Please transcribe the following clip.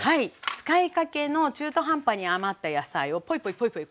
使いかけの中途半端に余った野菜をポイポイポイポイ